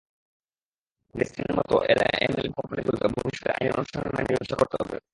ডেসটিনির মতো এমএলএম কোম্পানিগুলোকে ভবিষ্যতে আইনের অনুশাসন মেনেই ব্যবসা করতে হবে।